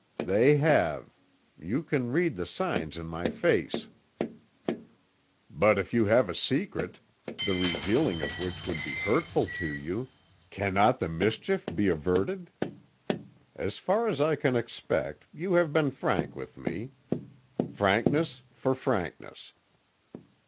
"They have. You can read the signs in my face." "But if you have a secret, the revealing of which would be hurtful to you, cannot the mischief be averted? As far as I can expect you have been frank with me. Frankness for frankness.